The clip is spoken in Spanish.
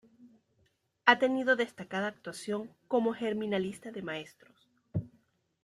Ha tenido destacada actuación como gremialista de maestros.